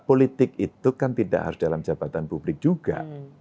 politik itu kan tidak harus dalam jabatan publik juga